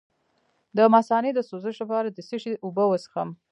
د مثانې د سوزش لپاره د څه شي اوبه وڅښم؟